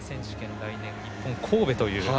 来年、日本の神戸という。